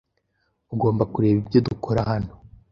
Ugomba kureba ibyo dukora hano.